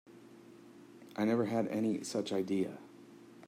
I never had any such idea.